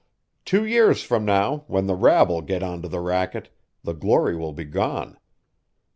Two years from now, when the rabble get onto the racket, the glory will be gone.